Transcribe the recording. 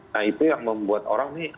nah itu yang membuat orang nih